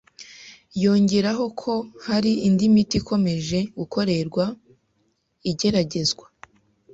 Yongeraho ko hari indi miti ikomeje gukorerwa igeregezwa